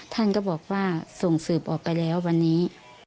ท่านก็บอกว่าส่งสืบออกไปแล้ววันนี้